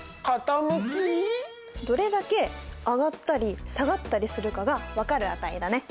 どれだけ上がったり下がったりするかが分かる値だね。